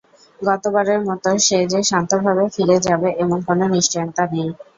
গতবারের মতো সে যে শান্তভাবে ফিরে যাবে এমন কোনো নিশ্চয়তা নেই।